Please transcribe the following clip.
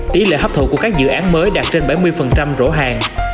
tỷ lệ hấp thụ của các dự án mới đạt trên bảy mươi rõ hàng